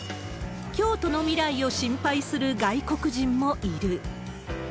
京都の未来を心配する外国人もいる。